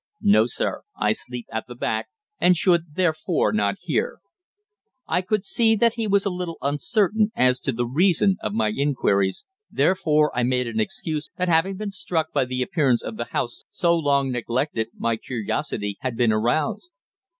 "No, sir. I sleep at the back, and should therefore not hear." I could see that he was a little uncertain as to the reason of my inquiries, therefore I made an excuse that having been struck by the appearance of the house so long neglected my curiosity had been aroused.